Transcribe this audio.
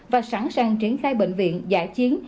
và sẵn sàng triển khai bệnh viện giả chiến